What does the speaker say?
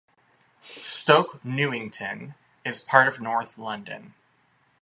Stoke Newington is part of North London.